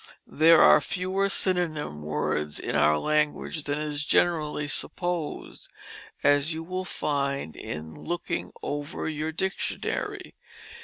There are fewer synonymous words in our language than is generally supposed, as you will find in looking over your Dictionary.